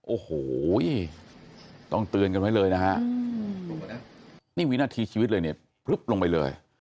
โอ้โหต้องเตือนกันไว้เลยนะฮะนี่วินาทีชีวิตเลยเนี่ยพลึบลงไปเลย